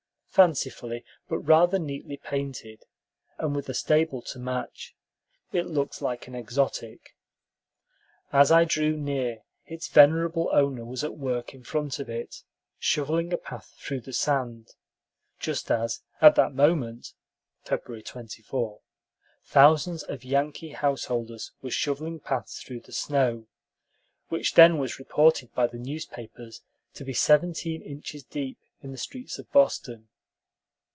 Fancifully but rather neatly painted, and with a stable to match, it looked like an exotic. As I drew near, its venerable owner was at work in front of it, shoveling a path through the sand, just as, at that moment (February 24), thousands of Yankee householders were shoveling paths through the snow, which then was reported by the newspapers to be seventeen inches deep in the streets of Boston.